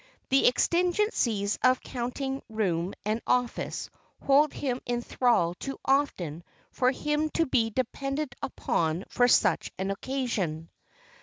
The exigencies of counting room and office hold him in thrall too often for him to be depended on for such an occasion.